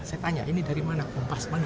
saya tanya ini dari mana kompas mana